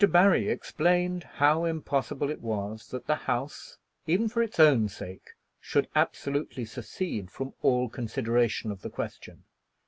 Barry explained how impossible it was that the house, even for its own sake, should absolutely secede from all consideration of the question.